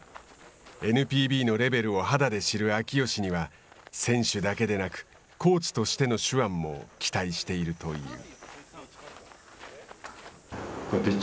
ＮＰＢのレベルを肌で知る秋吉には選手だけでなくコーチとしての手腕も期待しているという。